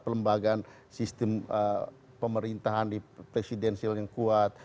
pelembagaan sistem pemerintahan presidensial yang kuat